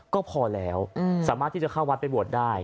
ก็พอแล้วสามารถที่จะเข้าวัดไปบวชได้